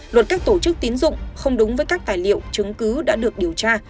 luật các tổ chức tín dụng không đúng với các tài liệu chứng cứ đã được điều tra